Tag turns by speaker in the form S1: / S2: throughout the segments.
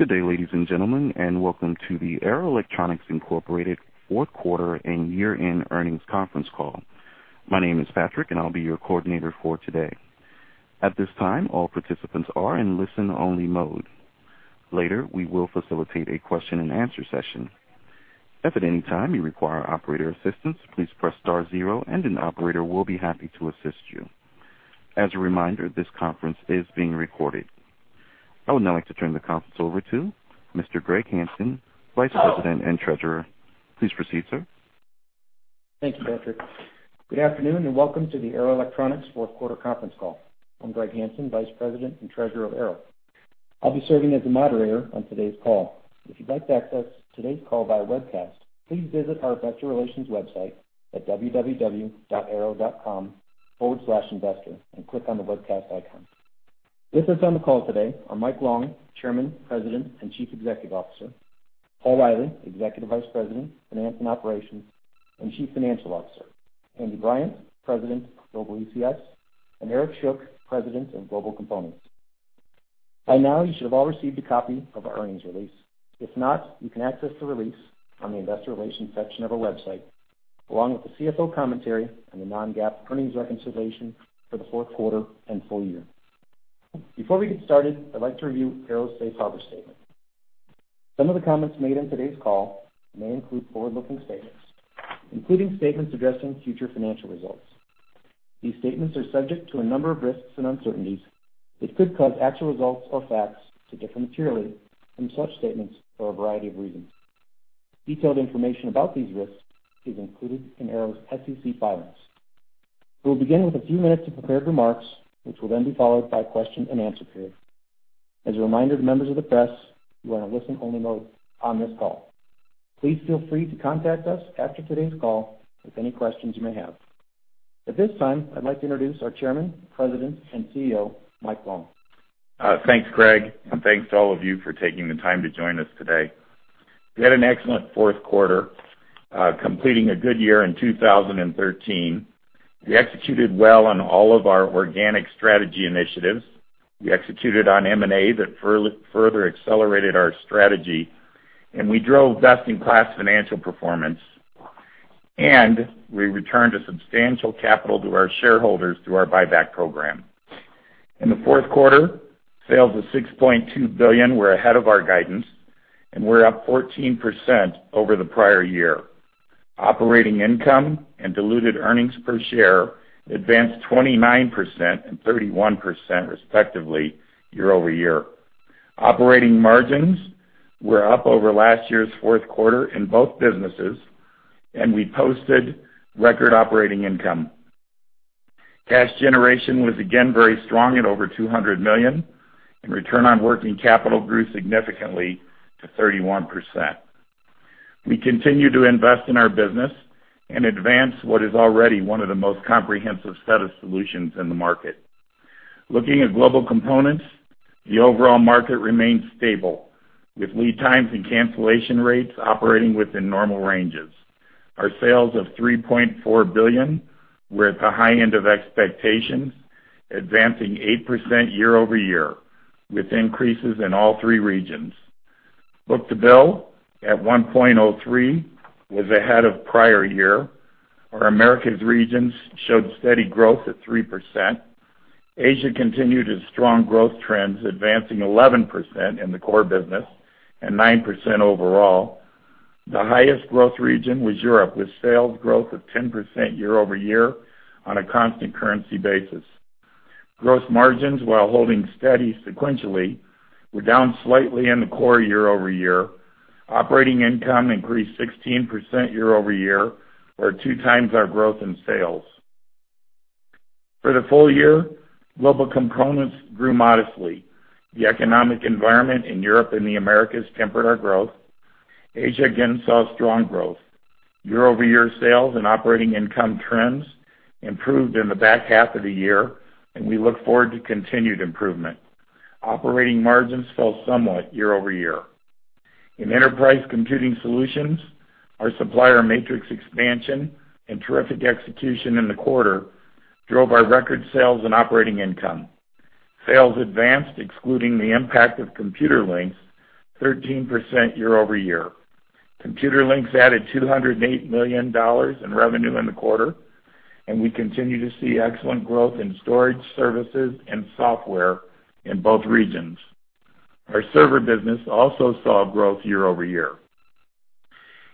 S1: Good day, ladies and gentlemen, and welcome to the Arrow Electronics Incorporated Fourth Quarter and Year-End Earnings Conference Call. My name is Patrick, and I'll be your coordinator for today. At this time, all participants are in listen-only mode. Later, we will facilitate a question-and-answer session. If at any time you require operator assistance, please press star zero, and an operator will be happy to assist you. As a reminder, this conference is being recorded. I would now like to turn the conference over to Mr. Greg Hansen, Vice President and Treasurer. Please proceed, sir.
S2: Thank you, Patrick. Good afternoon, and welcome to the Arrow Electronics fourth quarter conference call. I'm Greg Hansen, Vice President and Treasurer of Arrow. I'll be serving as the moderator on today's call. If you'd like to access today's call via webcast, please visit our investor relations website at www.arrow.com/investor and click on the webcast icon. With us on the call today are Mike Long, Chairman, President, and Chief Executive Officer; Paul Reilly, Executive Vice President, Finance and Operations, and Chief Financial Officer; Andy Bryant, President, Global ECS; and Eric Shook, President of Global Components. By now, you should have all received a copy of our earnings release. If not, you can access the release on the investor relations section of our website, along with the CFO commentary and the non-GAAP earnings reconciliation for the fourth quarter and full year. Before we get started, I'd like to review Arrow's safe harbor statement. Some of the comments made on today's call may include forward-looking statements, including statements addressing future financial results. These statements are subject to a number of risks and uncertainties that could cause actual results or facts to differ materially from such statements for a variety of reasons. Detailed information about these risks is included in Arrow's SEC filings. We'll begin with a few minutes of prepared remarks, which will then be followed by a question-and-answer period. As a reminder to members of the press, you are in a listen-only mode on this call. Please feel free to contact us after today's call with any questions you may have. At this time, I'd like to introduce our Chairman, President, and CEO, Mike Long.
S3: Thanks, Greg, and thanks to all of you for taking the time to join us today. We had an excellent fourth quarter, completing a good year in 2013. We executed well on all of our organic strategy initiatives. We executed on M&A that further accelerated our strategy, and we drove best-in-class financial performance, and we returned a substantial capital to our shareholders through our buyback program. In the fourth quarter, sales of $6.2 billion were ahead of our guidance, and we're up 14% over the prior year. Operating income and diluted earnings per share advanced 29% and 31%, respectively, year-over-year. Operating margins were up over last year's fourth quarter in both businesses, and we posted record operating income. Cash generation was again very strong at over $200 million, and return on working capital grew significantly to 31%. We continue to invest in our business and advance what is already one of the most comprehensive set of solutions in the market. Looking at Global Components, the overall market remains stable, with lead times and cancellation rates operating within normal ranges. Our sales of $3.4 billion were at the high end of expectations, advancing 8% year-over-year, with increases in all three regions. Book-to-bill at 1.03 was ahead of prior year. Our Americas regions showed steady growth at 3%. Asia continued its strong growth trends, advancing 11% in the core business and 9% overall. The highest growth region was Europe, with sales growth of 10% year-over-year on a constant currency basis. Gross margins, while holding steady sequentially, were down slightly in the core year-over-year. Operating income increased 16% year-over-year, or two times our growth in sales. For the full year, Global Components grew modestly. The economic environment in Europe and the Americas tempered our growth. Asia again saw strong growth. Year-over-year sales and operating income trends improved in the back half of the year, and we look forward to continued improvement. Operating margins fell somewhat year-over-year. In Enterprise Computing Solutions, our supplier matrix expansion and terrific execution in the quarter drove our record sales and operating income. Sales advanced, excluding the impact of Computerlinks, 13% year-over-year. Computerlinks added $208 million in revenue in the quarter, and we continue to see excellent growth in storage services and software in both regions. Our server business also saw growth year over year.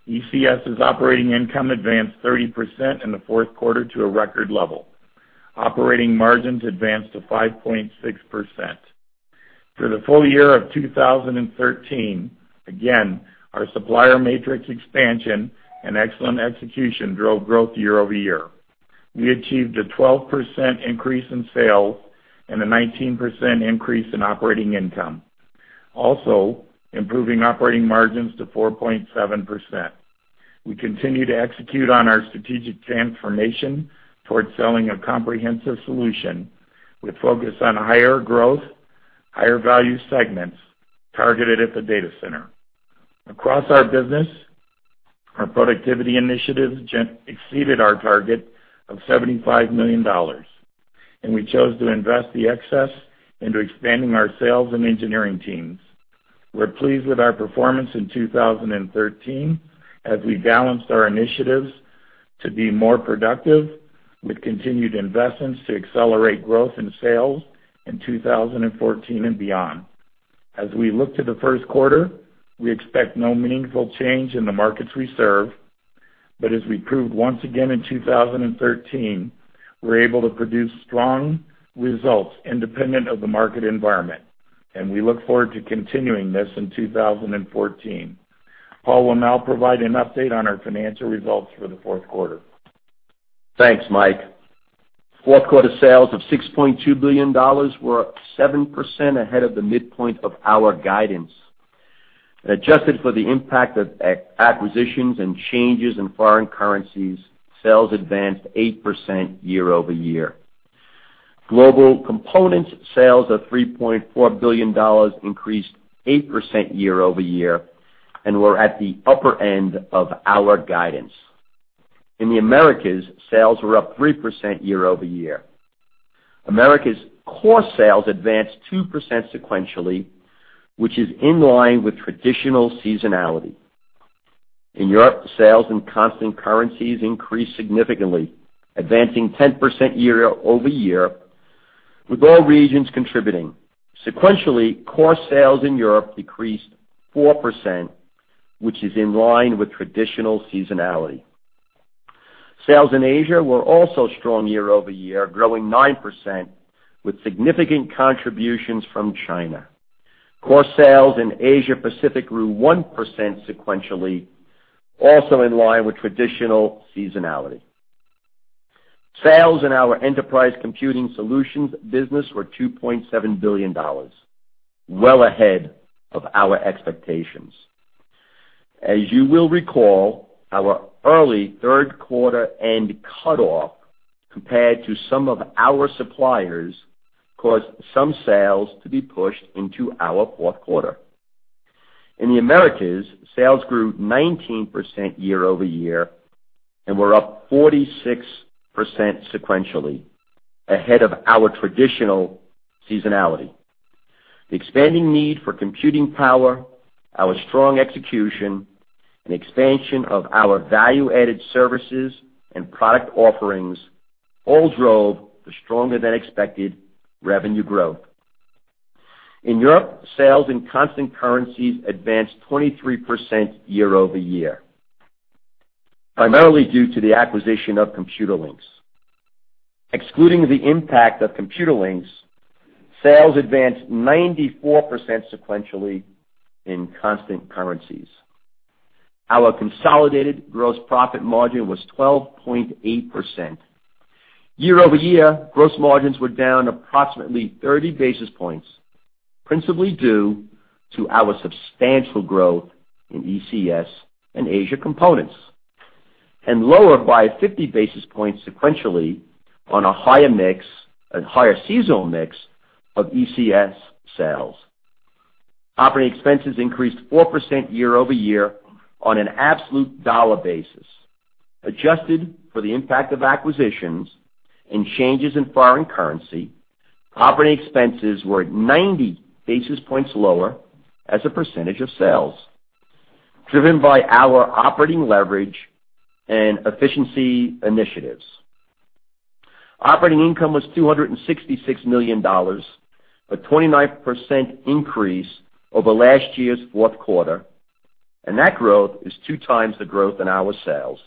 S3: ECS's operating income advanced 30% in the fourth quarter to a record level. Operating margins advanced to 5.6%. For the full year of 2013, again, our supplier matrix expansion and excellent execution drove growth year over year. We achieved a 12% increase in sales and a 19% increase in operating income, also improving operating margins to 4.7%. We continue to execute on our strategic transformation towards selling a comprehensive solution with focus on higher growth, higher value segments targeted at the data center. Across our business. Our productivity initiatives exceeded our target of $75 million, and we chose to invest the excess into expanding our sales and engineering teams. We're pleased with our performance in 2013, as we balanced our initiatives to be more productive, with continued investments to accelerate growth in sales in 2014 and beyond. As we look to the first quarter, we expect no meaningful change in the markets we serve. But as we proved once again in 2013, we're able to produce strong results independent of the market environment, and we look forward to continuing this in 2014. Paul will now provide an update on our financial results for the fourth quarter.
S4: Thanks, Mike. Fourth quarter sales of $6.2 billion were up 7% ahead of the midpoint of our guidance. Adjusted for the impact of acquisitions and changes in foreign currencies, sales advanced 8% year-over-year. Global Components sales of $3.4 billion increased 8% year-over-year and were at the upper end of our guidance. In the Americas, sales were up 3% year-over-year. Americas core sales advanced 2% sequentially, which is in line with traditional seasonality. In Europe, sales in constant currencies increased significantly, advancing 10% year-over-year, with all regions contributing. Sequentially, core sales in Europe decreased 4%, which is in line with traditional seasonality. Sales in Asia were also strong year-over-year, growing 9%, with significant contributions from China. Core sales in Asia Pacific grew 1% sequentially, also in line with traditional seasonality. Sales in our Enterprise Computing Solutions business were $2.7 billion, well ahead of our expectations. As you will recall, our early third quarter end cutoff, compared to some of our suppliers, caused some sales to be pushed into our fourth quarter. In the Americas, sales grew 19% year-over-year and were up 46% sequentially, ahead of our traditional seasonality. The expanding need for computing power, our strong execution, and expansion of our value-added services and product offerings all drove the stronger-than-expected revenue growth. In Europe, sales in constant currencies advanced 23% year-over-year, primarily due to the acquisition of Computerlinks. Excluding the impact of Computerlinks, sales advanced 94% sequentially in constant currencies. Our consolidated gross profit margin was 12.8%. Year-over-year, gross margins were down approximately 30 basis points, principally due to our substantial growth in ECS and Asia components, and lower by 50 basis points sequentially on a higher mix, a higher seasonal mix of ECS sales. Operating expenses increased 4% year over year on an absolute dollar basis. Adjusted for the impact of acquisitions and changes in foreign currency, operating expenses were 90 basis points lower as a percentage of sales, driven by our operating leverage and efficiency initiatives. Operating income was $266 million, a 29% increase over last year's fourth quarter, and that growth is two times the growth in our sales.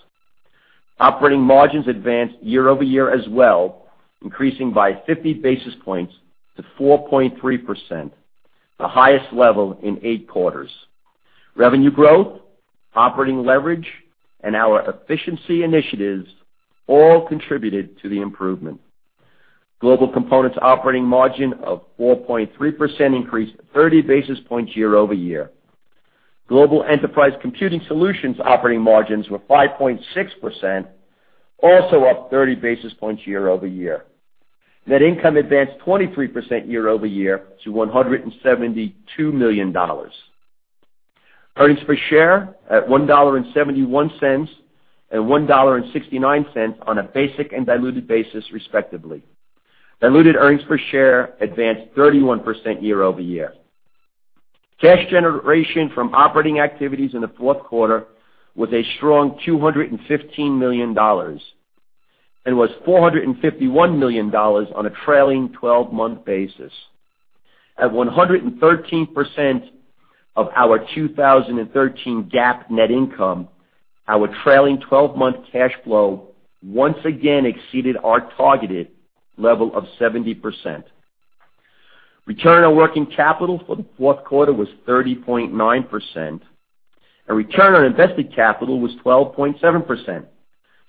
S4: Operating margins advanced year over year as well, increasing by 50 basis points to 4.3%, the highest level in eight quarters. Revenue growth, operating leverage, and our efficiency initiatives all contributed to the improvement. Global Components operating margin of 4.3% increased 30 basis points year-over-year. Global Enterprise Computing Solutions operating margins were 5.6%, also up 30 basis points year-over-year. Net income advanced 23% year-over-year to $172 million. Earnings per share at $1.71 and $1.69 on a basic and diluted basis, respectively. Diluted earnings per share advanced 31% year-over-year. Cash generation from operating activities in the fourth quarter was a strong $215 million and was $451 million on a trailing twelve-month basis. At 113% of our 2013 GAAP net income, our trailing twelve-month cash flow once again exceeded our targeted level of 70%. Return on working capital for the fourth quarter was 30.9%, and return on invested capital was 12.7%,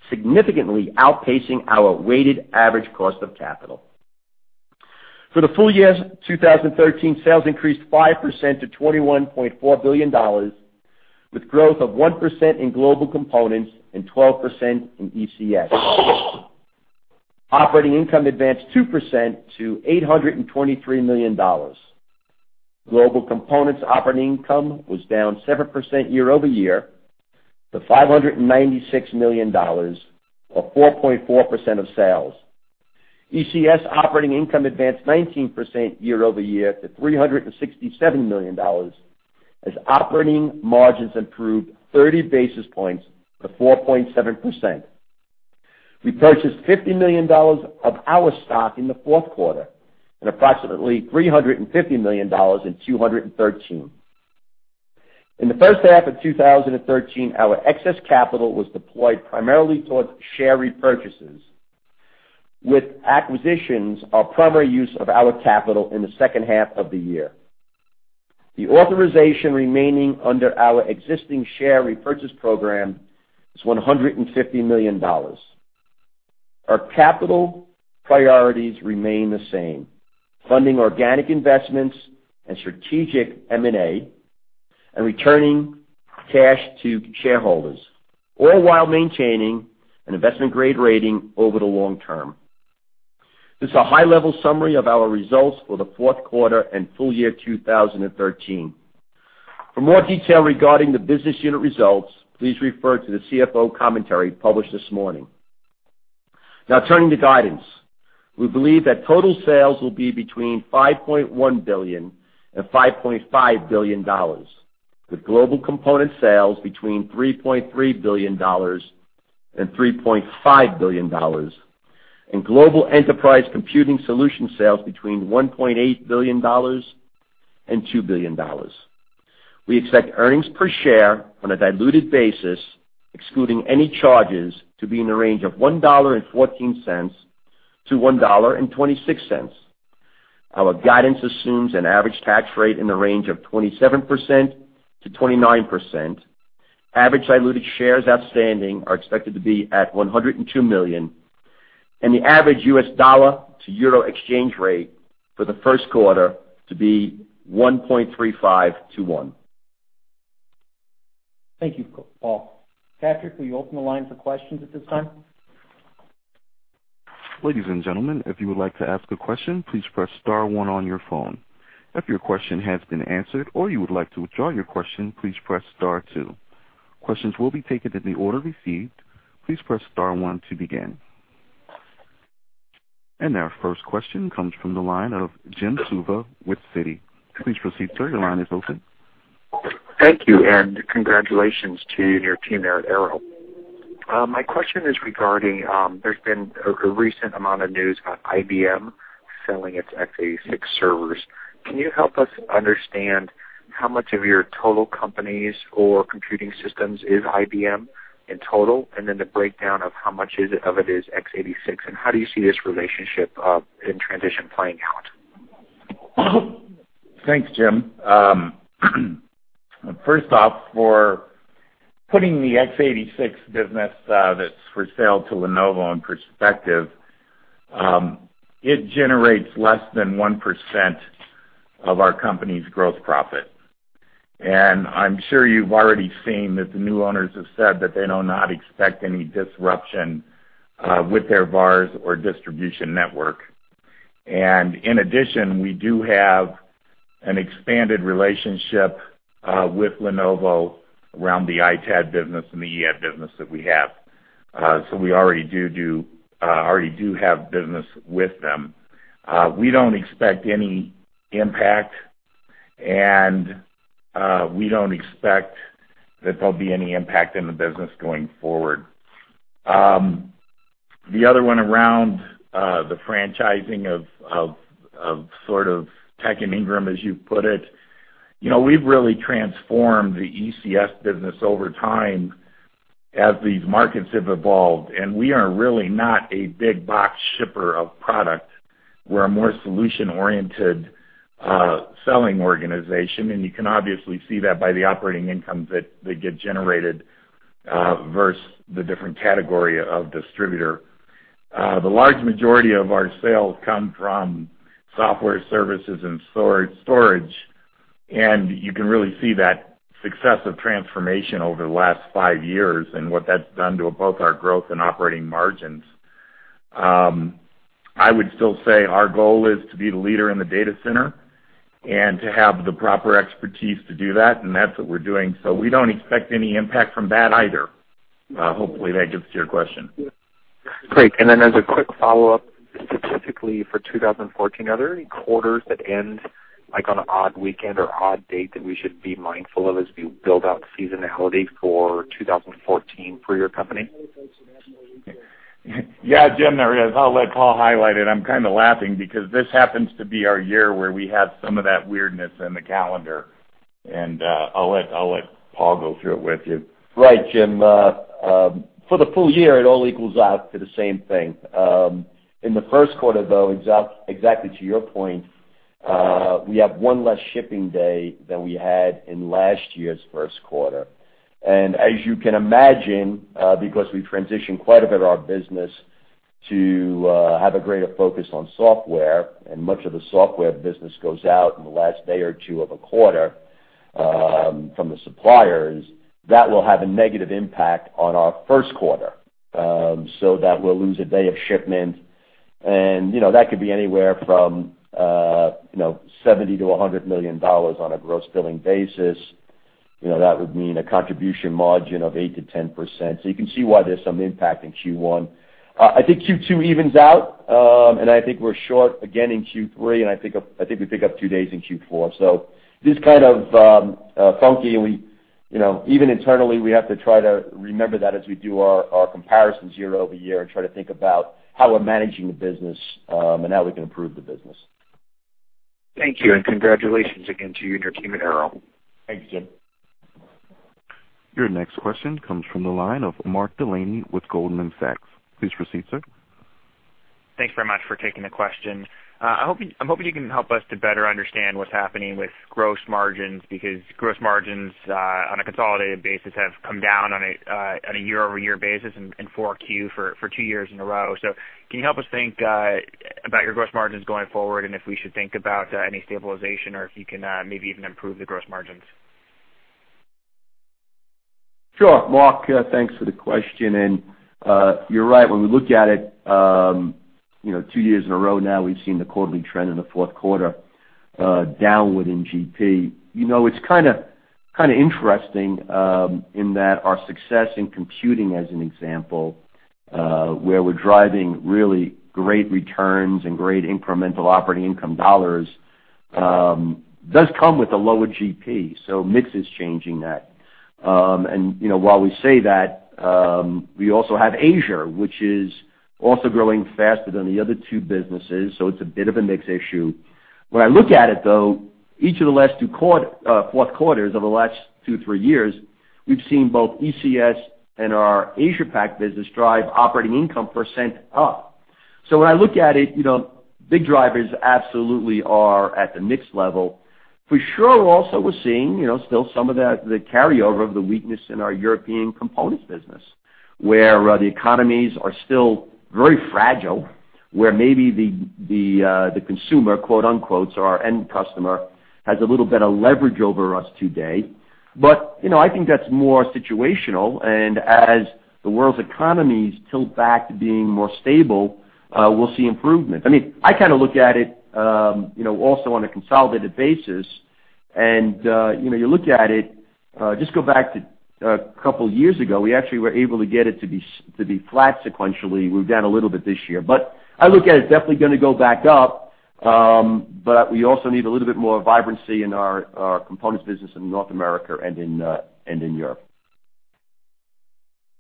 S4: significantly outpacing our weighted average cost of capital. For the full year 2013, sales increased 5% to $21.4 billion, with growth of 1% in Global Components and 12% in ECS.... Operating income advanced 2% to $823 million. Global Components operating income was down 7% year-over-year to $596 million, or 4.4% of sales. ECS operating income advanced 19% year-over-year to $367 million, as operating margins improved 30 basis points to 4.7%. We purchased $50 million of our stock in the fourth quarter and approximately $350 million in 2013. In the first half of 2013, our excess capital was deployed primarily towards share repurchases, with acquisitions our primary use of our capital in the second half of the year. The authorization remaining under our existing share repurchase program is $150 million. Our capital priorities remain the same: funding organic investments and strategic M&A, and returning cash to shareholders, all while maintaining an investment-grade rating over the long term. This is a high-level summary of our results for the fourth quarter and full year 2013. For more detail regarding the business unit results, please refer to the CFO commentary published this morning. Now turning to guidance. We believe that total sales will be between $5.1 billion-$5.5 billion, with Global Components sales between $3.3 billion-$3.5 billion, and Global Enterprise Computing Solutions sales between $1.8 billion-$2 billion. We expect earnings per share on a diluted basis, excluding any charges, to be in the range of $1.14-$1.26. Our guidance assumes an average tax rate in the range of 27%-29%. Average diluted shares outstanding are expected to be at 102 million, and the average US dollar to euro exchange rate for the first quarter to be 1.3521.
S2: Thank you, Paul. Patrick, will you open the line for questions at this time?
S1: Ladies and gentlemen, if you would like to ask a question, please press star one on your phone. If your question has been answered or you would like to withdraw your question, please press star two. Questions will be taken in the order received. Please press star one to begin. Our first question comes from the line of Jim Suva with Citi. Please proceed, sir. Your line is open.
S5: Thank you, and congratulations to you and your team there at Arrow. My question is regarding there's been a recent amount of news about IBM selling its x86 servers. Can you help us understand how much of your total companies or computing systems is IBM in total, and then the breakdown of how much is it, of it is x86, and how do you see this relationship in transition playing out?
S3: Thanks, Jim. First off, for putting the x86 business that's for sale to Lenovo in perspective, it generates less than 1% of our company's gross profit. And I'm sure you've already seen that the new owners have said that they do not expect any disruption with their VARs or distribution network. And in addition, we do have an expanded relationship with Lenovo around the ITAD business and the EF business that we have. So we already do have business with them. We don't expect any impact, and we don't expect that there'll be any impact in the business going forward. The other one around the franchising of sort of Tech and Ingram, as you put it, you know, we've really transformed the ECS business over time as these markets have evolved, and we are really not a big box shipper of product. We're a more solution-oriented selling organization, and you can obviously see that by the operating income that get generated versus the different category of distributor. The large majority of our sales come from software services and storage, and you can really see that success of transformation over the last five years and what that's done to both our growth and operating margins. I would still say our goal is to be the leader in the data center and to have the proper expertise to do that, and that's what we're doing. So we don't expect any impact from that either. Hopefully, that gets to your question.
S5: Great. And then as a quick follow-up, specifically for 2014, are there any quarters that end, like, on an odd weekend or odd date that we should be mindful of as we build out seasonality for 2014 for your company?
S3: Yeah, Jim, there is. I'll let Paul highlight it. I'm kind of laughing because this happens to be our year where we have some of that weirdness in the calendar. And, I'll let, I'll let Paul go through it with you.
S4: Right, Jim. For the full year, it all equals out to the same thing. In the first quarter, though, exactly to your point, we have one less shipping day than we had in last year's first quarter. And as you can imagine, because we transitioned quite a bit of our business to have a greater focus on software, and much of the software business goes out in the last day or two of a quarter, from the suppliers... that will have a negative impact on our first quarter, so that we'll lose a day of shipment. And, you know, that could be anywhere from, you know, $70 million-$100 million on a gross billing basis. You know, that would mean a contribution margin of 8%-10%. So you can see why there's some impact in Q1. I think Q2 evens out, and I think we're short again in Q3, and I think, I think we pick up two days in Q4. So this is kind of funky, and we, you know, even internally, we have to try to remember that as we do our, our comparisons year-over-year and try to think about how we're managing the business, and how we can improve the business.
S5: Thank you, and congratulations again to you and your team at Arrow.
S4: Thank you, Jim.
S1: Your next question comes from the line of Mark Delaney with Goldman Sachs. Please proceed, sir.
S6: Thanks very much for taking the question. I'm hoping, I'm hoping you can help us to better understand what's happening with gross margins, because gross margins, on a consolidated basis, have come down on a, on a year-over-year basis in Q4 for two years in a row. So can you help us think, about your gross margins going forward, and if we should think about, any stabilization or if you can, maybe even improve the gross margins?
S4: Sure, Mark, thanks for the question. And, you're right. When we look at it, you know, two years in a row now, we've seen the quarterly trend in the fourth quarter, downward in GP. You know, it's kind of, kind of interesting, in that our success in computing, as an example, where we're driving really great returns and great incremental operating income dollars, does come with a lower GP, so mix is changing that. And, you know, while we say that, we also have Asia, which is also growing faster than the other two businesses, so it's a bit of a mix issue. When I look at it, though, each of the last two fourth quarters over the last two, three years, we've seen both ECS and our Asia Pac business drive operating income percent up. So when I look at it, you know, big drivers absolutely are at the mix level. For sure, also, we're seeing, you know, still some of the, the carryover of the weakness in our European components business, where, the economies are still very fragile, where maybe the, the, the consumer, quote-unquote, so our end customer, has a little bit of leverage over us today. But, you know, I think that's more situational. And as the world's economies tilt back to being more stable, we'll see improvement. I mean, I kind of look at it, you know, also on a consolidated basis, and, you know, you look at it, just go back to a couple years ago, we actually were able to get it to be to be flat sequentially. We're down a little bit this year, but I look at it, it's definitely gonna go back up, but we also need a little bit more vibrancy in our components business in North America and in Europe.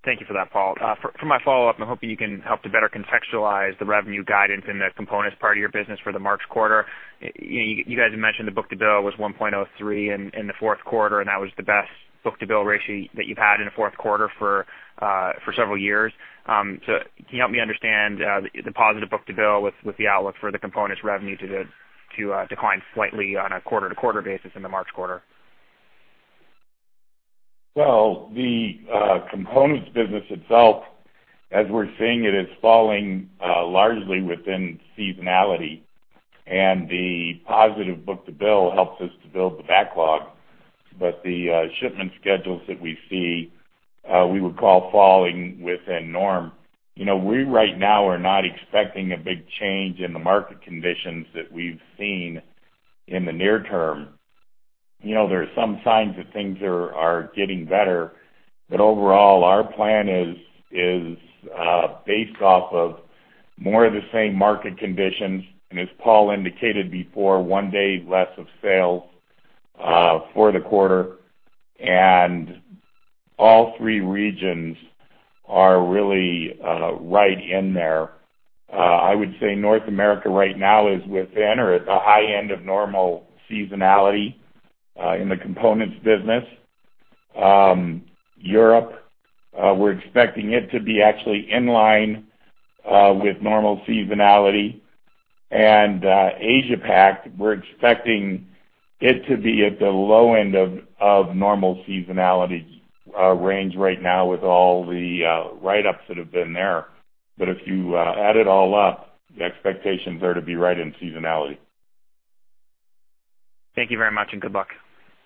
S6: Thank you for that, Paul. For my follow-up, I'm hoping you can help to better contextualize the revenue guidance in the components part of your business for the March quarter. You guys have mentioned the book-to-bill was 1.03 in the fourth quarter, and that was the best book-to-bill ratio that you've had in the fourth quarter for several years. So can you help me understand the positive book-to-bill with the outlook for the components revenue to decline slightly on a quarter-to-quarter basis in the March quarter?
S3: Well, the components business itself, as we're seeing it, is falling largely within seasonality, and the positive book-to-bill helps us to build the backlog. But the shipment schedules that we see we would call falling within norm. You know, we right now are not expecting a big change in the market conditions that we've seen in the near term. You know, there are some signs that things are getting better, but overall, our plan is based off of more of the same market conditions, and as Paul indicated before, one day less of sales for the quarter, and all three regions are really right in there. I would say North America right now is within or at the high end of normal seasonality in the components business. Europe, we're expecting it to be actually in line with normal seasonality. And, Asia Pac, we're expecting it to be at the low end of normal seasonality range right now with all the write-ups that have been there. But if you add it all up, the expectations are to be right in seasonality.
S6: Thank you very much, and good luck.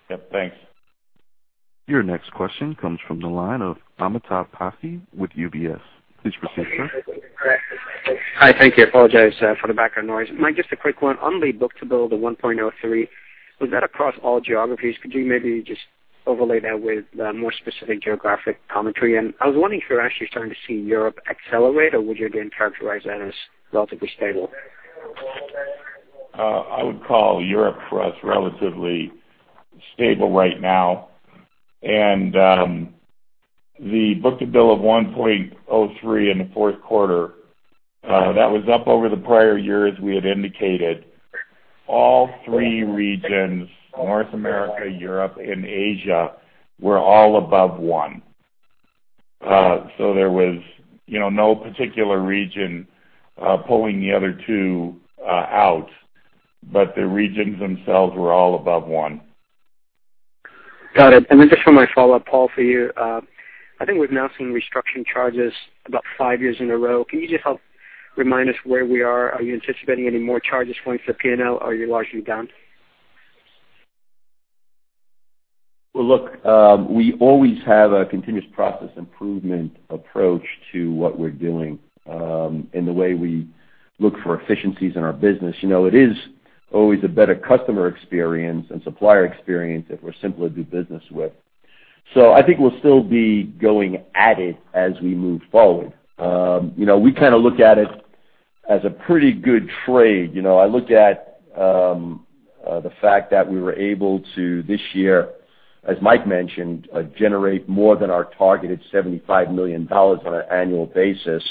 S3: Yep, thanks.
S1: Your next question comes from the line of Amitabh Passi with UBS. Please proceed, sir.
S7: Hi, thank you. I apologize for the background noise. Mike, just a quick one. On the book-to-bill, the 1.03, was that across all geographies? Could you maybe just overlay that with more specific geographic commentary? And I was wondering if you're actually starting to see Europe accelerate, or would you again characterize that as relatively stable?
S3: I would call Europe, for us, relatively stable right now. The book-to-bill of 1.03 in the fourth quarter, that was up over the prior years. We had indicated all three regions, North America, Europe, and Asia, were all above one. So there was, you know, no particular region pulling the other two out, but the regions themselves were all above one.
S7: Got it. And then just for my follow-up, Paul, for you. I think we've now seen restructuring charges about five years in a row. Can you just help remind us where we are. Are you anticipating any more charges going to the P&L? Are you largely done?
S4: Well, look, we always have a continuous process improvement approach to what we're doing, and the way we look for efficiencies in our business. You know, it is always a better customer experience and supplier experience if we're simpler to do business with. So I think we'll still be going at it as we move forward. You know, we kind of look at it as a pretty good trade. You know, I look at the fact that we were able to, this year, as Mike mentioned, generate more than our targeted $75 million on an annual basis.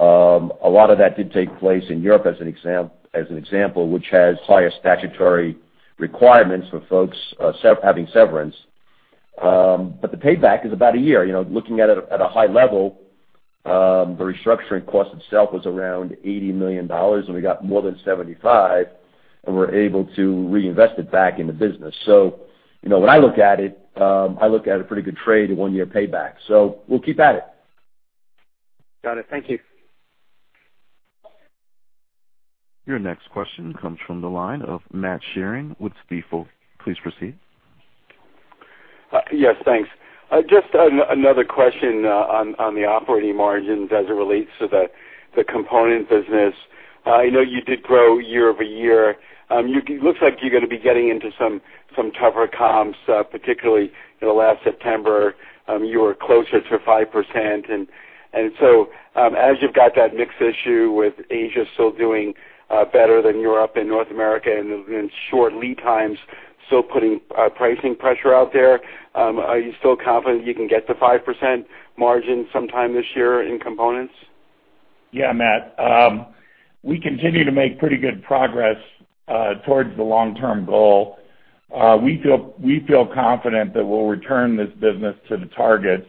S4: A lot of that did take place in Europe as an example, which has higher statutory requirements for folks, having severance. But the payback is about a year. You know, looking at it at a high level, the restructuring cost itself was around $80 million, and we got more than $75 million, and we're able to reinvest it back in the business. So, you know, when I look at it, I look at a pretty good trade, a one-year payback, so we'll keep at it.
S7: Got it. Thank you.
S1: Your next question comes from the line of Matt Sheerin with Stifel. Please proceed.
S8: Yes, thanks. Just another question on the operating margins as it relates to the component business. I know you did grow year-over-year. It looks like you're gonna be getting into some tougher comps, particularly in the last September, you were closer to 5%. And so, as you've got that mix issue with Asia still doing better than Europe and North America, and then short lead times still putting pricing pressure out there, are you still confident you can get to 5% margin sometime this year in components?
S3: Yeah, Matt. We continue to make pretty good progress towards the long-term goal. We feel, we feel confident that we'll return this business to the targets.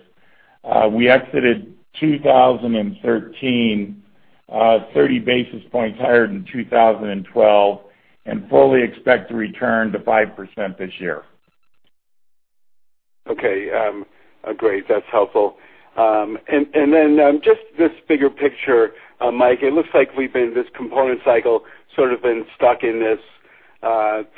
S3: We exited 2013 thirty basis points higher than 2012, and fully expect to return to 5% this year.
S8: Okay, great. That's helpful. And then, just this bigger picture, Mike, it looks like we've been, this component cycle, sort of been stuck in this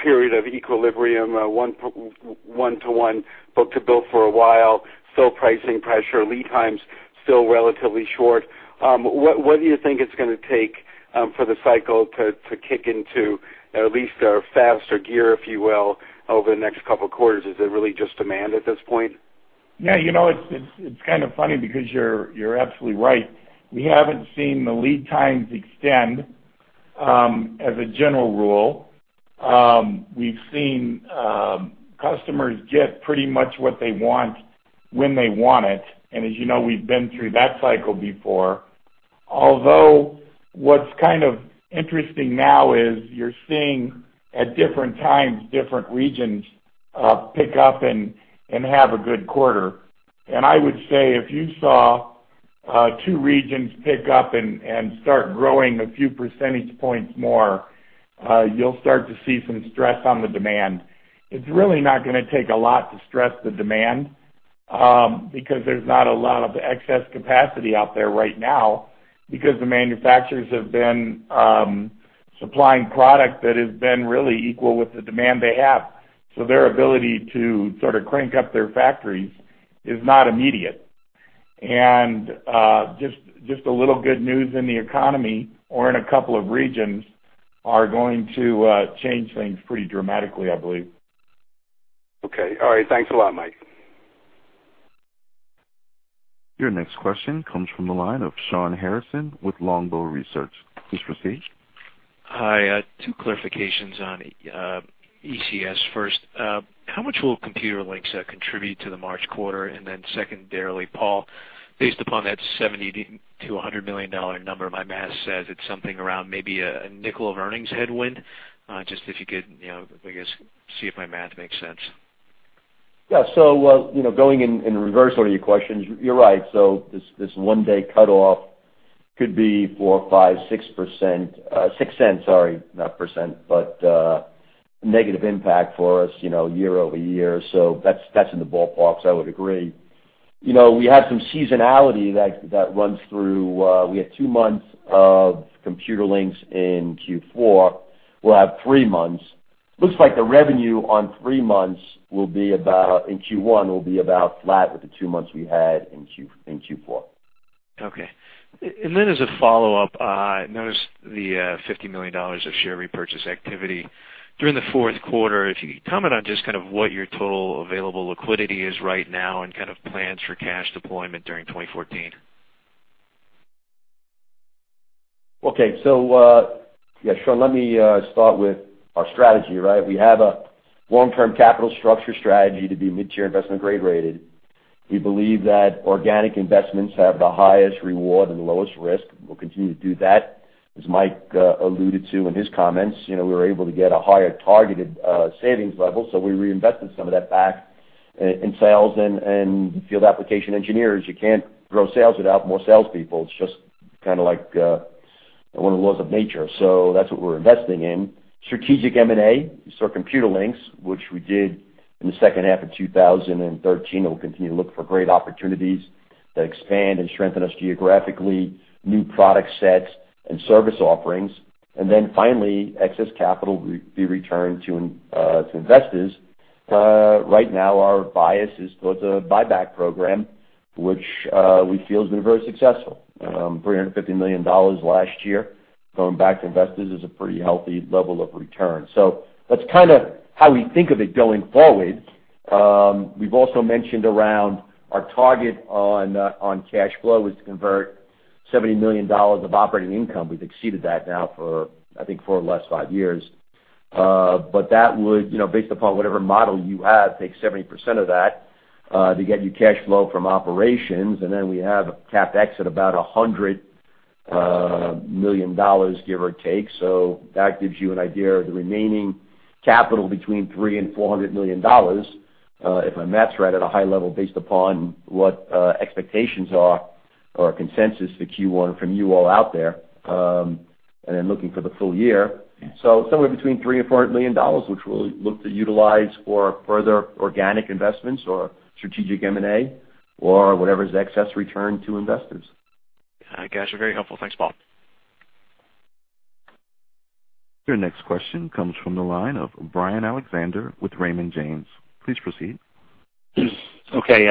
S8: period of equilibrium, one to one book-to-bill for a while, still pricing pressure, lead times still relatively short. What do you think it's gonna take for the cycle to kick into at least a faster gear, if you will, over the next couple of quarters? Is it really just demand at this point?
S3: Yeah, you know, it's kind of funny because you're absolutely right. We haven't seen the lead times extend, as a general rule. We've seen customers get pretty much what they want, when they want it, and as you know, we've been through that cycle before. Although, what's kind of interesting now is you're seeing, at different times, different regions pick up and have a good quarter. And I would say, if you saw two regions pick up and start growing a few percentage points more, you'll start to see some stress on the demand. It's really not gonna take a lot to stress the demand, because there's not a lot of excess capacity out there right now because the manufacturers have been supplying product that has been really equal with the demand they have. So their ability to sort of crank up their factories is not immediate. And just a little good news in the economy or in a couple of regions are going to change things pretty dramatically, I believe.
S8: Okay. All right. Thanks a lot, Mike.
S1: Your next question comes from the line of Shawn Harrison with Longbow Research. Please proceed.
S9: Hi, two clarifications on ECS. First, how much will Computerlinks contribute to the March quarter? And then secondarily, Paul, based upon that $70 million-$100 million number, my math says it's something around maybe a, a nickel of earnings headwind. Just if you could, you know, I guess, see if my math makes sense.
S4: Yeah. So you know, going in reverse order of your questions, you're right. So this one-day cutoff could be 4%, 5%, 6%, $0.06, sorry, not percent, but negative impact for us, you know, year-over-year. So that's in the ballpark. So I would agree. You know, we have some seasonality that runs through. We had two months of Computerlinks in Q4. We'll have three months. Looks like the revenue on three months will be about, in Q1, will be about flat with the two months we had in Q4.
S9: Okay. And then as a follow-up, noticed the $50 million of share repurchase activity during the fourth quarter. If you could comment on just kind of what your total available liquidity is right now and kind of plans for cash deployment during 2014.
S4: Okay. So, yeah, Sean, let me start with our strategy, right? We have a long-term capital structure strategy to be mid-tier investment grade rated. We believe that organic investments have the highest reward and the lowest risk. We'll continue to do that. As Mike alluded to in his comments, you know, we were able to get a higher targeted savings level, so we reinvested some of that back in sales and field application engineers. You can't grow sales without more salespeople. It's just kind of like and one of the laws of nature. So that's what we're investing in. Strategic M&A, so Computerlinks, which we did in the second half of 2013, and we'll continue to look for great opportunities that expand and strengthen us geographically, new product sets and service offerings. Then finally, excess capital will be returned to investors. Right now, our bias is towards a buyback program, which we feel has been very successful. $350 million last year, going back to investors is a pretty healthy level of return. So that's kind of how we think of it going forward. We've also mentioned around our target on cash flow is to convert $70 million of operating income. We've exceeded that now for four or five years. But that would, you know, based upon whatever model you have, take 70% of that to get you cash flow from operations, and then we have a CapEx at about $100 million, give or take. So that gives you an idea of the remaining capital between $300 million and $400 million, if my math's right, at a high level, based upon what, expectations are or consensus for Q1 from you all out there, and then looking for the full year. So somewhere between $300 million and $400 million, which we'll look to utilize for further organic investments or strategic M&A or whatever is the excess return to investors.
S9: Guys, you're very helpful. Thanks, Paul.
S1: Your next question comes from the line of Brian Alexander with Raymond James. Please proceed.
S10: Okay,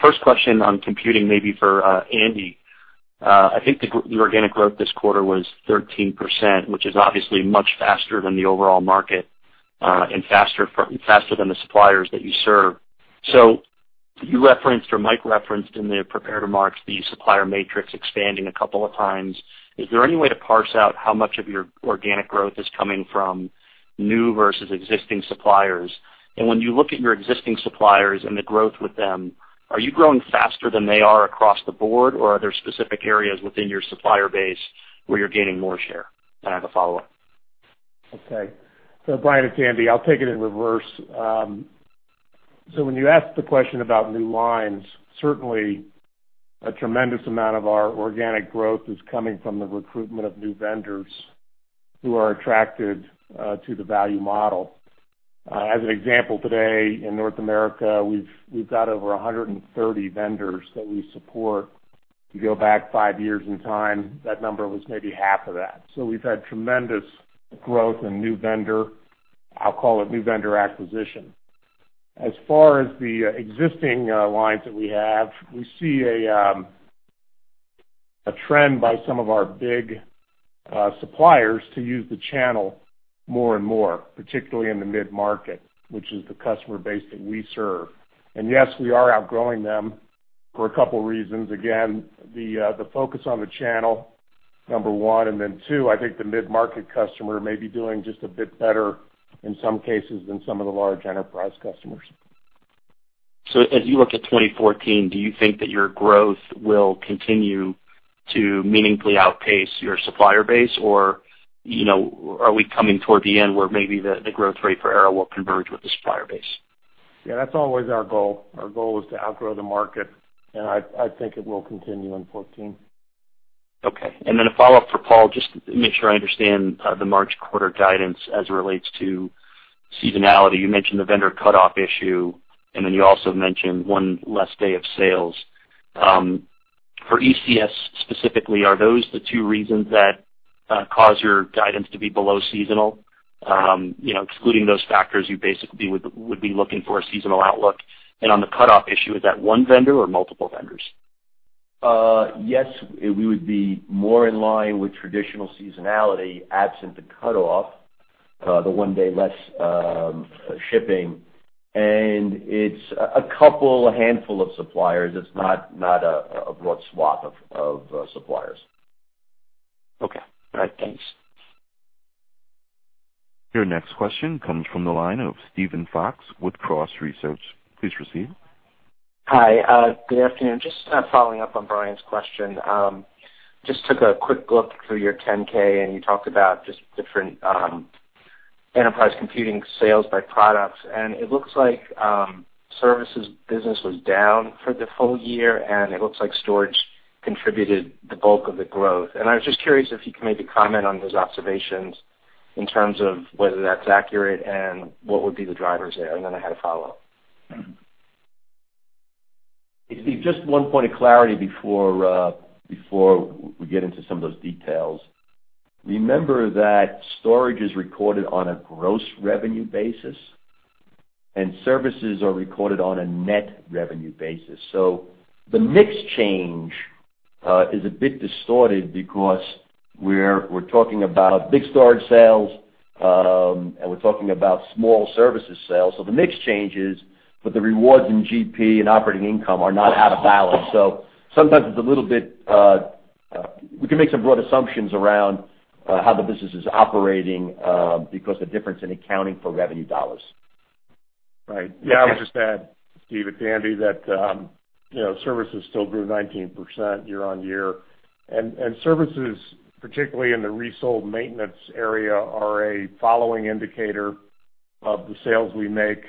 S10: first question on computing, maybe for Andy. I think the organic growth this quarter was 13%, which is obviously much faster than the overall market, and faster than the suppliers that you serve. So you referenced, or Mike referenced in the prepared remarks, the supplier matrix expanding a couple of times. Is there any way to parse out how much of your organic growth is coming from new versus existing suppliers? And when you look at your existing suppliers and the growth with them, are you growing faster than they are across the board, or are there specific areas within your supplier base where you're gaining more share? And I have a follow-up.
S11: Okay. So Brian, it's Andy. I'll take it in reverse. So when you ask the question about new lines, certainly a tremendous amount of our organic growth is coming from the recruitment of new vendors who are attracted to the value model. As an example, today, in North America, we've got over 130 vendors that we support. You go back five years in time, that number was maybe half of that. So we've had tremendous growth and new vendor, I'll call it, new vendor acquisition. As far as the existing lines that we have, we see a trend by some of our big suppliers to use the channel more and more, particularly in the mid-market, which is the customer base that we serve. And yes, we are outgrowing them for a couple of reasons. Again, the focus on the channel, number one, and then two, I think the mid-market customer may be doing just a bit better in some cases than some of the large enterprise customers.
S10: So as you look to 2014, do you think that your growth will continue to meaningfully outpace your supplier base, or, you know, are we coming toward the end where maybe the growth rate for Arrow will converge with the supplier base?
S11: Yeah, that's always our goal. Our goal is to outgrow the market, and I think it will continue in 2014.
S10: Okay, and then a follow-up for Paul, just to make sure I understand, the March quarter guidance as it relates to seasonality. You mentioned the vendor cutoff issue, and then you also mentioned one less day of sales. For ECS specifically, are those the two reasons that cause your guidance to be below seasonal? You know, excluding those factors, you basically would be looking for a seasonal outlook. And on the cutoff issue, is that one vendor or multiple vendors?
S4: Yes, we would be more in line with traditional seasonality, absent the cutoff, the one day less shipping, and it's a couple, a handful of suppliers. It's not a broad swath of suppliers.
S10: Okay. All right, thanks.
S1: Your next question comes from the line of Steven Fox with Cross Research. Please proceed.
S12: Hi, good afternoon. Just following up on Brian's question. Just took a quick look through your 10-K, and you talked about just different enterprise computing sales by products, and it looks like services business was down for the full year, and it looks like storage contributed the bulk of the growth. And I was just curious if you could maybe comment on those observations in terms of whether that's accurate and what would be the drivers there. And then I had a follow-up.
S4: Hey, Steve, just one point of clarity before we get into some of those details. Remember that storage is recorded on a gross revenue basis, and services are recorded on a net revenue basis. So the mix change is a bit distorted because we're talking about big storage sales, and we're talking about small services sales. So the mix changes, but the rewards in GP and operating income are not out of balance. So sometimes it's a little bit. We can make some broad assumptions around how the business is operating because the difference in accounting for revenue dollars.
S11: Right. Yeah, I would just add, Steve, it can be that, you know, services still grew 19% year-on-year. And services, particularly in the resold maintenance area, are a following indicator of the sales we make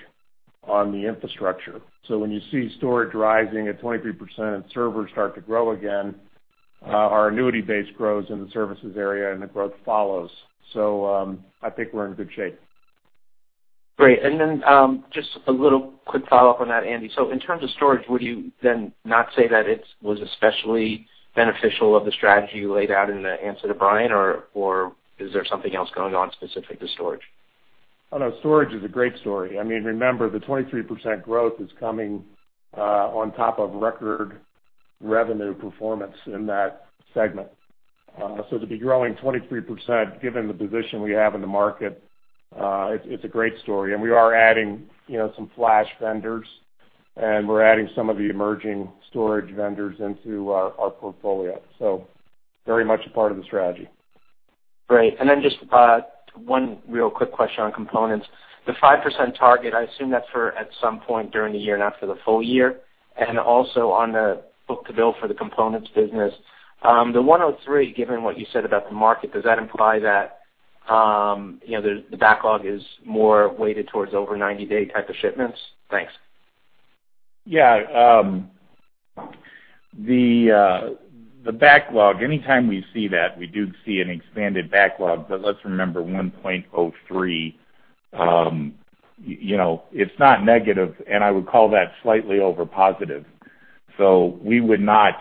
S11: on the infrastructure. So when you see storage rising at 23% and servers start to grow again, our annuity base grows in the services area, and the growth follows. So, I think we're in good shape.
S12: Great. Just a little quick follow-up on that, Andy. So in terms of storage, would you then not say that it was especially beneficial of the strategy you laid out in the answer to Brian? Or, or is there something else going on specific to storage?
S3: Oh, no, storage is a great story. I mean, remember, the 23% growth is coming on top of record revenue performance in that segment. So to be growing 23%, given the position we have in the market, it's, it's a great story. And we are adding, you know, some flash vendors, and we're adding some of the emerging storage vendors into our, our portfolio, so very much a part of the strategy.
S12: Great. And then just, one real quick question on components. The 5% target, I assume that's for at some point during the year, not for the full year. And also on the book-to-bill for the components business, the 1.03, given what you said about the market, does that imply that, you know, the, the backlog is more weighted towards over 90-day type of shipments? Thanks.
S3: Yeah, the backlog, anytime we see that, we do see an expanded backlog, but let's remember, 1.03, you know, it's not negative, and I would call that slightly over positive. So we would not,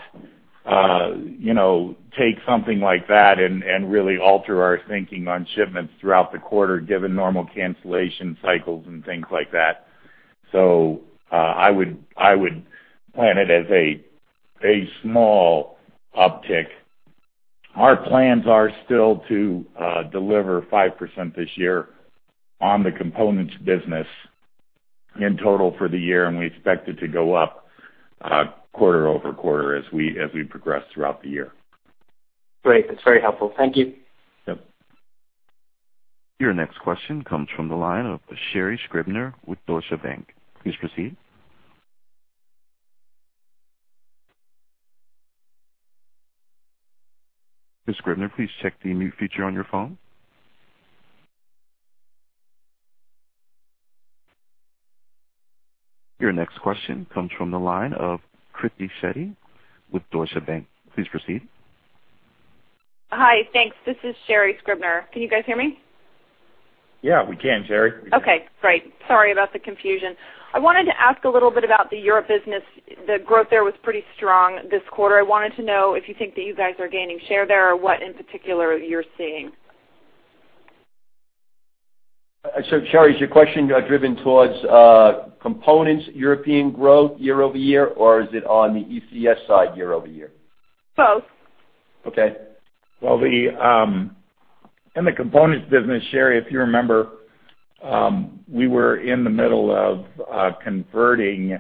S3: you know, take something like that and really alter our thinking on shipments throughout the quarter, given normal cancellation cycles and things like that. So, I would plan it as a small uptick. Our plans are still to deliver 5% this year on the components business in total for the year, and we expect it to go up, quarter-over-quarter as we progress throughout the year.
S12: Great. That's very helpful. Thank you.
S3: Yep.
S1: Your next question comes from the line of Sherri Scribner with Deutsche Bank. Please proceed. Ms. Scribner, please check the mute feature on your phone. Your next question comes from the line of Kriti Shetty with Deutsche Bank. Please proceed.
S13: Hi. Thanks. This is Sherry Scribner. Can you guys hear me?
S3: Yeah, we can, Sherry.
S13: Okay, great. Sorry about the confusion. I wanted to ask a little bit about the Europe business. The growth there was pretty strong this quarter. I wanted to know if you think that you guys are gaining share there, or what, in particular, you're seeing.
S3: So, Sherry, is your question driven towards components European growth year-over-year, or is it on the ECS side year-over-year?
S13: Both.
S3: Okay. Well, in the components business, Sherry, if you remember, we were in the middle of converting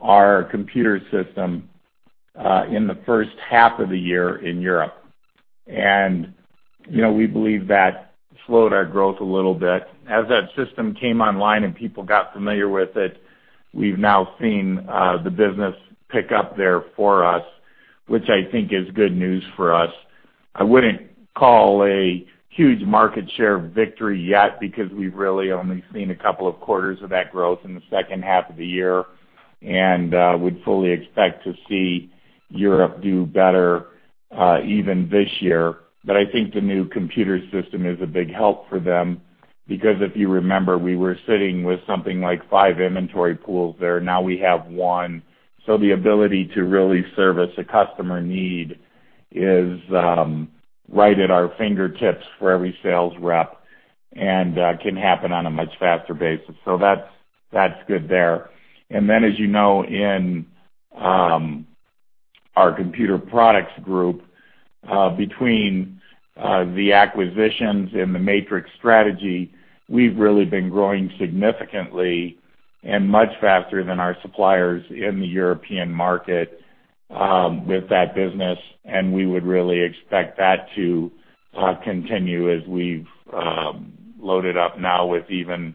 S3: our computer system in the first half of the year in Europe. And, you know, we believe that slowed our growth a little bit. As that system came online and people got familiar with it, we've now seen the business pick up there for us, which I think is good news for us. I wouldn't call a huge market share victory yet, because we've really only seen a couple of quarters of that growth in the second half of the year, and we'd fully expect to see Europe do better even this year. But I think the new computer system is a big help for them because if you remember, we were sitting with something like five inventory pools there. Now we have one. So the ability to really service a customer need is, right at our fingertips for every sales rep and, can happen on a much faster basis. So that's, that's good there. And then, as you know, in, our computer products group, between, the acquisitions and the matrix strategy, we've really been growing significantly and much faster than our suppliers in the European market, with that business. And we would really expect that to, continue as we've, loaded up now with even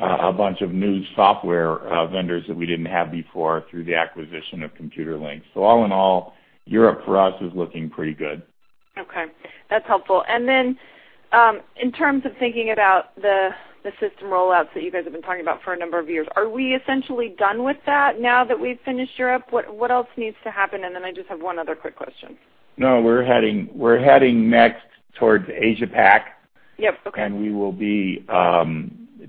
S3: a, a bunch of new software, vendors that we didn't have before through the acquisition of Computerlinks. So all in all, Europe for us, is looking pretty good.
S13: Okay, that's helpful. And then, in terms of thinking about the system rollouts that you guys have been talking about for a number of years, are we essentially done with that now that we've finished Europe? What else needs to happen? And then I just have one other quick question.
S3: No, we're heading next towards Asia Pac.
S13: Yep, okay.
S3: We will be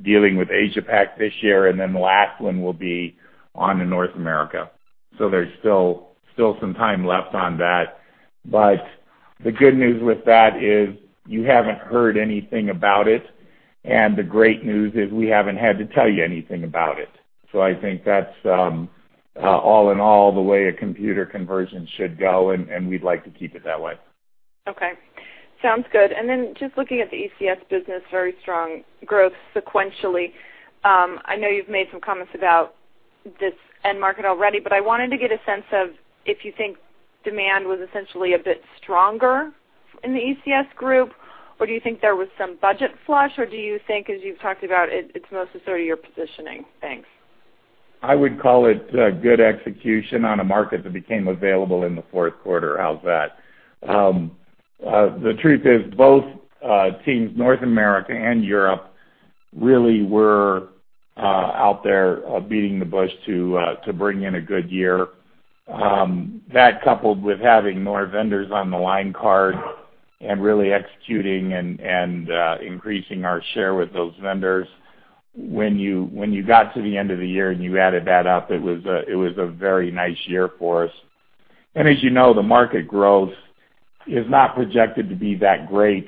S3: dealing with Asia Pac this year, and then the last one will be on to North America. So there's still some time left on that. But the good news with that is you haven't heard anything about it, and the great news is we haven't had to tell you anything about it. So I think that's all in all the way a computer conversion should go, and we'd like to keep it that way.
S13: Okay, sounds good. Just looking at the ECS business, very strong growth sequentially. I know you've made some comments about this end market already, but I wanted to get a sense of if you think demand was essentially a bit stronger in the ECS group, or do you think there was some budget flush, or do you think, as you've talked about it, it's mostly your positioning? Thanks....
S3: I would call it, good execution on a market that became available in the fourth quarter. How's that? The truth is both teams, North America and Europe, really were out there, beating the bush to bring in a good year. That coupled with having more vendors on the line card and really executing and, increasing our share with those vendors, when you, when you got to the end of the year, and you added that up, it was a very nice year for us. And as you know, the market growth is not projected to be that great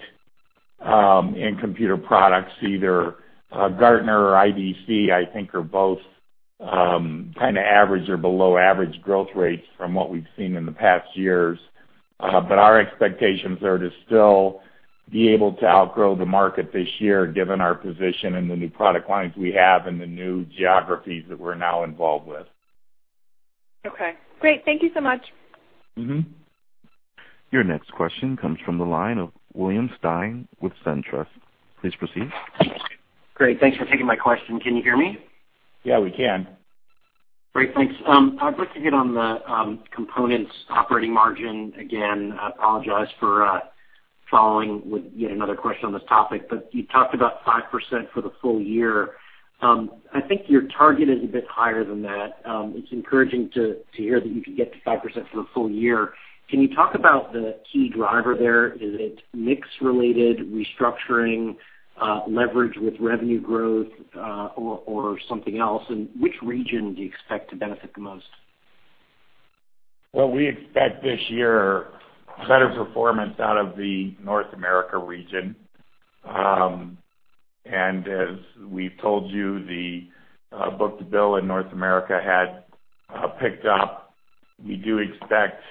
S3: in computer products either. Gartner or IDC, I think, are both kind of average or below average growth rates from what we've seen in the past years. But our expectations are to still be able to outgrow the market this year, given our position in the new product lines we have and the new geographies that we're now involved with.
S13: Okay, great. Thank you so much.
S3: Mm-hmm.
S1: Your next question comes from the line of William Stein with SunTrust. Please proceed.
S14: Great. Thanks for taking my question. Can you hear me?
S3: Yeah, we can.
S14: Great, thanks. I'd like to hit on the components operating margin again. I apologize for following with yet another question on this topic, but you talked about 5% for the full year. I think your target is a bit higher than that. It's encouraging to hear that you can get to 5% for a full year. Can you talk about the key driver there? Is it mix related, restructuring, leverage with revenue growth, or something else, and which region do you expect to benefit the most?
S3: Well, we expect this year, better performance out of the North America region. And as we've told you, the book-to-bill in North America had picked up. We do expect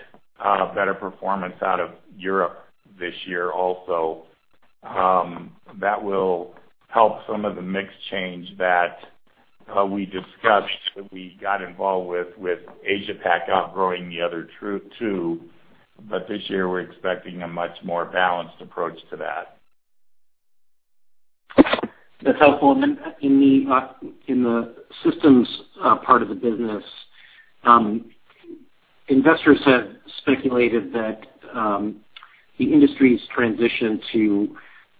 S3: better performance out of Europe this year also. That will help some of the mix change that we discussed, we got involved with, with Asia Pac outgrowing the other two, too, but this year, we're expecting a much more balanced approach to that.
S14: That's helpful. Then in the systems part of the business, investors have speculated that the industry's transition to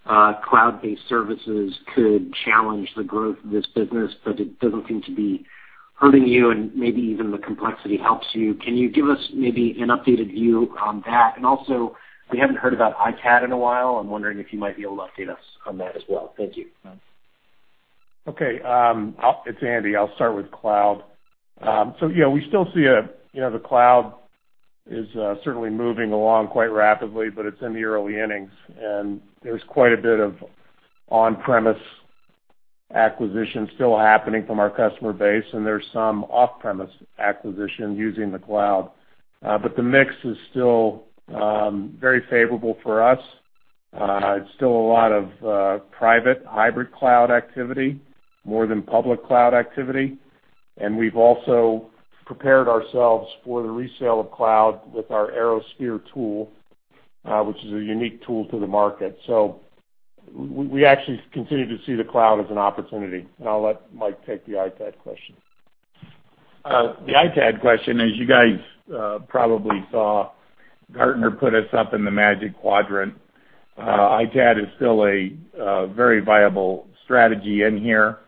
S14: cloud-based services could challenge the growth of this business, but it doesn't seem to be hurting you, and maybe even the complexity helps you. Can you give us maybe an updated view on that? And also, we haven't heard about ITAD in a while. I'm wondering if you might be able to update us on that as well. Thank you.
S11: Okay, it's Andy. I'll start with cloud. So yeah, we still see a, you know, the cloud is certainly moving along quite rapidly, but it's in the early innings, and there's quite a bit of on-premise acquisition still happening from our customer base, and there's some off-premise acquisition using the cloud. But the mix is still very favorable for us. It's still a lot of private hybrid cloud activity, more than public cloud activity, and we've also prepared ourselves for the resale of cloud with our ArrowSphere tool, which is a unique tool to the market. So we actually continue to see the cloud as an opportunity. And I'll let Mike take the ITAD question.
S3: The ITAD question, as you guys probably saw, Gartner put us up in the Magic Quadrant. ITAD is still a very viable strategy in here.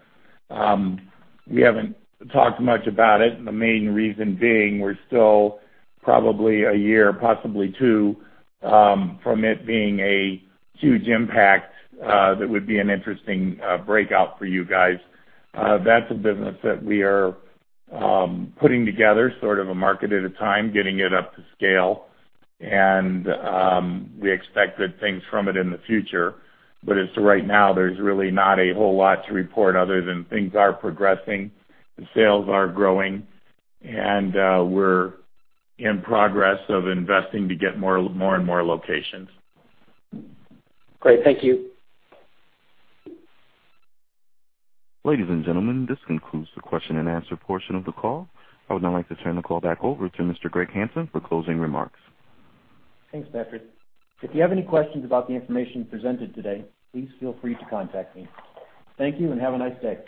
S3: We haven't talked much about it, and the main reason being, we're still probably a year, possibly two, from it being a huge impact, that would be an interesting breakout for you guys. That's a business that we are putting together, sort of a market at a time, getting it up to scale, and we expect good things from it in the future. But as to right now, there's really not a whole lot to report other than things are progressing, the sales are growing, and we're in progress of investing to get more and more locations.
S14: Great. Thank you.
S1: Ladies and gentlemen, this concludes the question and answer portion of the call. I would now like to turn the call back over to Mr. Greg Hansen for closing remarks.
S11: Thanks, Patrick. If you have any questions about the information presented today, please feel free to contact me. Thank you, and have a nice day.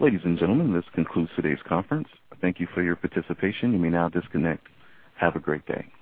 S1: Ladies and gentlemen, this concludes today's conference. Thank you for your participation. You may now disconnect. Have a great day.